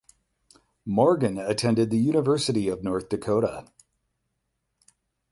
Morgan attended the University of North Dakota.